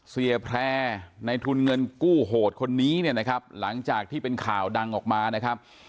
แพร่ในทุนเงินกู้โหดคนนี้เนี่ยนะครับหลังจากที่เป็นข่าวดังออกมานะครับ